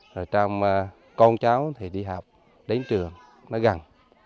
rồi trong con cháu thì đi học đến trường nó gần